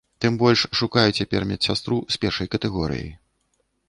Тым больш, шукаю цяпер медсястру з першай катэгорыяй.